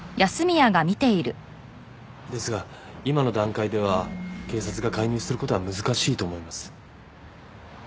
ですが今の段階では警察が介入する事は難しいと思います。